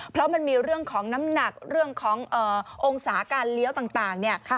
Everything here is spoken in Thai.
เพราะมันมีเรื่องของน้ำหนักเรื่องขององศาการเลี้ยวต่างเนี่ย